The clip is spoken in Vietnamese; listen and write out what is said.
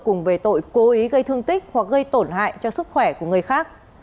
cùng về tội cố ý gây thương tích hoặc gây tổn hại cho sức khỏe của người khác